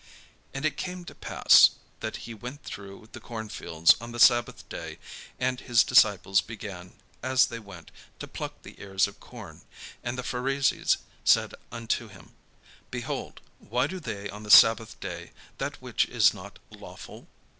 And it came to pass, that he went through the corn fields on the sabbath day; and his disciples began, as they went, to pluck the ears of corn. And the Pharisees said unto him: "Behold, why do they on the sabbath day that which is not lawful?"